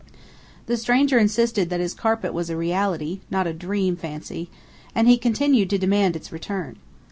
The stranger insisted that his carpet was a reality, not a dream fancy, and he continued to demand its return.